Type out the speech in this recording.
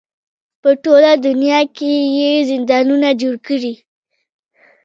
په ټوله دنیا کې یې زندانونه جوړ کړي.